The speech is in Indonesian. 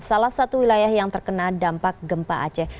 salah satu wilayah yang terkena dampak gempa aceh